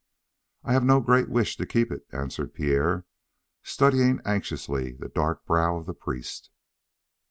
"I have no great wish to keep it," answered Pierre, studying anxiously the dark brow of the priest.